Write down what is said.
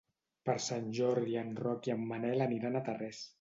Per Sant Jordi en Roc i en Manel aniran a Tarrés.